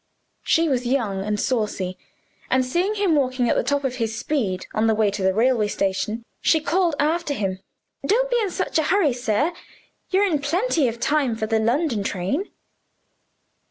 She was young and saucy, and seeing him walking at the top of his speed on the way to the railway station, she called after him, "Don't be in a hurry, sir! You're in plenty of time for the London train."